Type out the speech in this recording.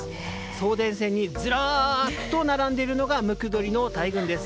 送電線にずらっと並んでいるのがムクドリの大群です。